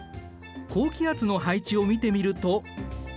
高気圧の配置を見てみると。